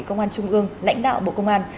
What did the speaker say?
công an trung ương lãnh đạo bộ công an